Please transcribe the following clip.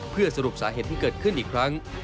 เพื่อสรุปสาเหตุที่เกิดขึ้นอีกครั้ง